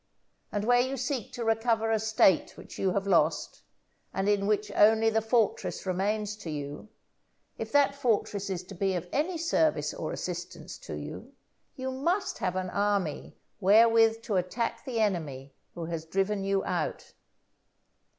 And where you seek to recover a State which you have lost, and in which only the fortress remains to you, if that fortress is to be of any service or assistance to you, you must have an army wherewith to attack the enemy who has driven you out.